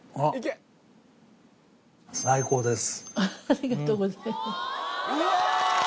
あっありがとうございますうわ！